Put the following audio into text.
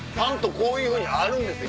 ちゃんとこういうふうにあるんですね。